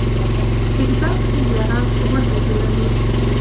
ټکزاس کې یاران غونډه جوړوي.